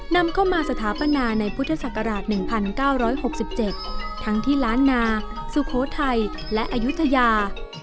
นำเข้ามาสถาปนาในพุทธศักราช๑๙๖๗ทั้งที่ล้านนาสุโขทัยและอายุทยา